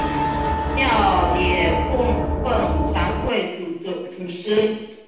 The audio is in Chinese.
庙也供俸惭愧祖师。